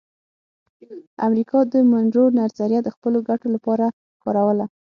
امریکا د مونرو نظریه د خپلو ګټو لپاره کاروله